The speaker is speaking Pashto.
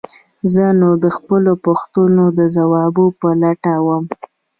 زه نو د خپلو پوښتنو د ځواب په لټه وم.